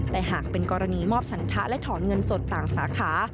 แต่หากเป็นกรณีมอบสันทะและถอนเงินสดต่างสาขา